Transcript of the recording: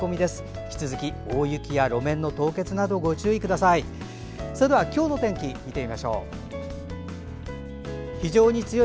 引き続き大雪や路面の凍結などご注意ください。